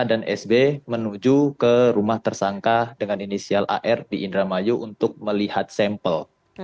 sb menuju ke rumah tersangka dengan inisial ar di indramayu untuk melihat sampel